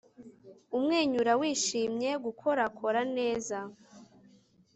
umwenyura wishimye, gukorakora neza